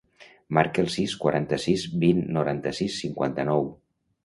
Marca el sis, quaranta-sis, vint, noranta-sis, cinquanta-nou.